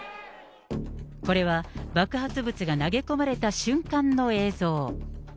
これは爆発物が投げ込まれた瞬間の映像。